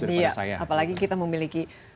daripada saya apalagi kita memiliki